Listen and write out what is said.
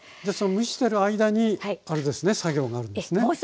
でその蒸してる間に作業があるんですね。